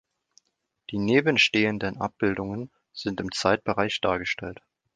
Die nebenstehenden Abbildungen sind im Zeitbereich dargestellt.